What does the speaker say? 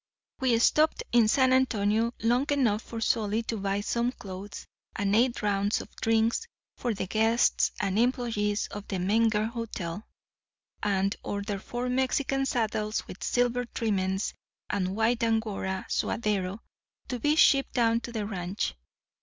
"We stopped in San Antonio long enough for Solly to buy some clothes, and eight rounds of drinks for the guests and employees of the Menger Hotel, and order four Mexican saddles with silver trimmings and white Angora suaderos to be shipped down to the ranch.